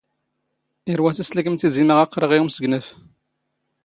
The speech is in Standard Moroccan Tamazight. ⵉⵔⵡⴰⵙ ⵉⵙ ⵜⵍⴽⵎ ⵜⵉⵣⵉ ⵎⴰ ⵖ ⴰⵔ ⴰⵇⵇⵔⴰⵖ ⵉ ⵓⵎⵙⴳⵏⴰⴼ.